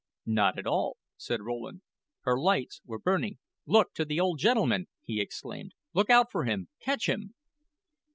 "Not at all," said Rowland. "Her lights were burning look to the old gentleman," he exclaimed. "Look out for him. Catch him!"